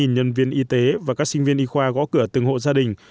hai mươi tám nhân viên y tế và các sinh viên y khoa gõ cửa từng hộ gia đình